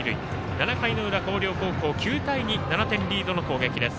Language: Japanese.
７回の裏、広陵高校９対２７点リードの攻撃です。